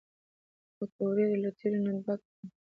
پکورې له تیلو نه ډکې دي